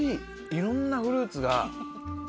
いろんなフルーツが。